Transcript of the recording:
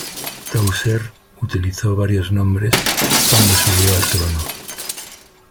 Tausert utilizó varios nombres cuando subió al trono.